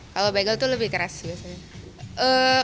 kalau bagel itu lebih keras biasanya